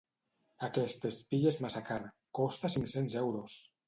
Aquest espill és massa car, costa cinc-cents euros!